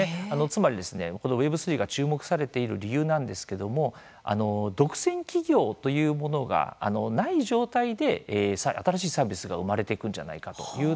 つまり、このＷｅｂ３が注目されている理由なんですけれども独占企業というものがない状態で新しいサービスが生まれていくんじゃないか